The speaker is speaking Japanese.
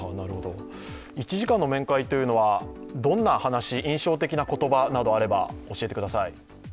１時間の面会というのは、どんな話、印象的な言葉などがあれば教えてください。